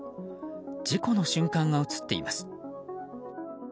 事故の瞬間が映っています。